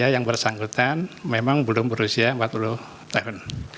yang bersangkutan memang belum berusia empat puluh tahun